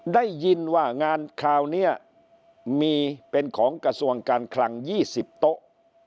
ได้ยินว่างานคราวนี้มีเป็นของกระทรวงการคลัง๒๐โต๊ะ